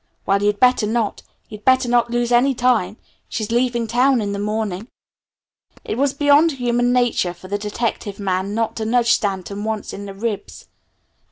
Well you'd better not. You'd better not lose any time. She's leaving town in the morning." It was beyond human nature for the detective man not to nudge Stanton once in the ribs.